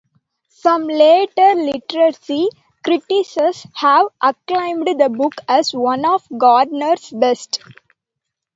Some later literary critics have acclaimed the book as one of Gardner's best.